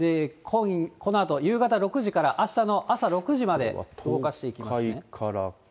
このあと夕方６時からあしたの朝６時まで動かしていきます。